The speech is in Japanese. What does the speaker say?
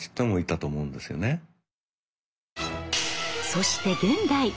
そして現代。